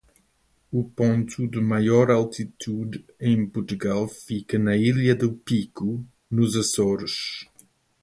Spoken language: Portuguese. O ponto de maior altitude em Portugal fica na ilha do Pico, nos Açores.